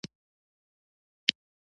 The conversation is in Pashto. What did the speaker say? د سکندر مقدوني فتحې په تاریخ کې یادېږي.